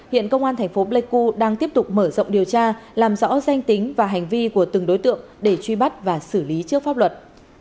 hiện công an thành phố pleiku đang tiếp tục mở rộng điều tra làm rõ danh tính và hành vi của từng đối tượng để truy bắt và xử lý trước pháp luật